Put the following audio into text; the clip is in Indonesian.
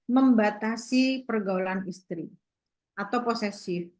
membatasi pergaulan istri atau posesif